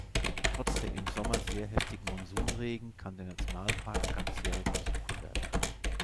Trotz der im Sommer sehr heftigen Monsunregen kann der Nationalpark ganzjährig besucht werden.